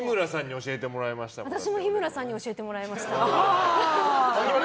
日村さんに教えてもらいましたこれ。